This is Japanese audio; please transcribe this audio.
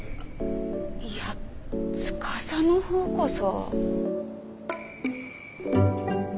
いや司のほうこそ。